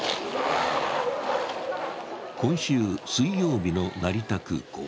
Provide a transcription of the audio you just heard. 今週水曜日の成田空港。